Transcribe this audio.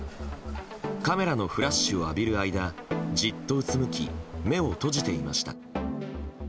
カメラのフラッシュを浴びる間じっとうつむき目を閉じていました。